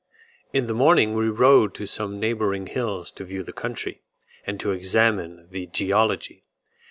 In the morning we rode to some neighbouring hills to view the country, and to examine the geology.